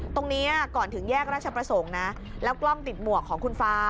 ตรงนี้ก่อนถึงแยกราชประสงค์นะแล้วกล้องติดหมวกของคุณฟ้า